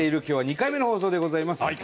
今日は２回目の放送でございます。